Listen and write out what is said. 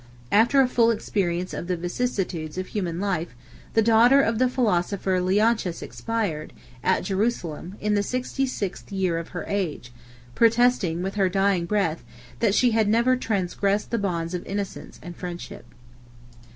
After a full experience of the vicissitudes of human life, the daughter of the philosopher Leontius expired, at Jerusalem, in the sixty seventh year of her age; protesting, with her dying breath, that she had never transgressed the bounds of innocence and friendship.